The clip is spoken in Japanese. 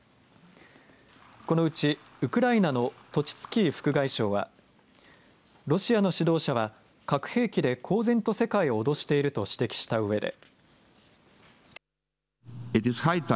このうちウクライナのトチツキー副外相はロシアの指導者は核兵器で公然と世界を脅していると指摘したうえで。